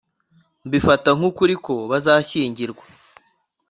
Mbifata nkukuri ko bazashyingirwa